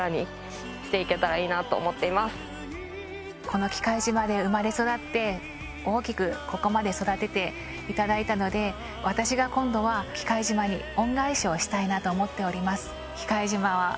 この喜界島で生まれ育って大きくここまで育てていただいたので私が今度はなと思っております